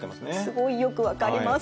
すごいよく分かります。